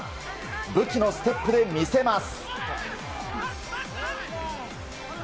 武器のステップで見せます。